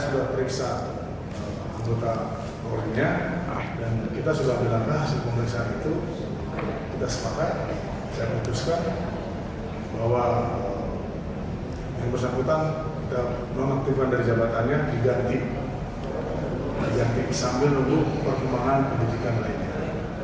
bahwa yang bersangkutan dan penyakit dari jabatannya diganti sambil untuk perkembangan pendidikan lainnya